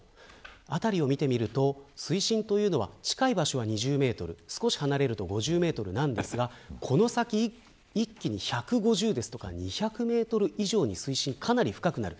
周りを見ると水深は近い場所は２０メートル少し離れると５０メートルですがこの先は一気に１５０や２００メートル以上にかなり深くなる。